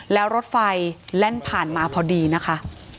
แล้วรถไฟแล่นผ่านมาพอดีนะคะ